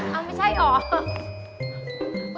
โอ๊ยอ้าวไม่ใช่หรือ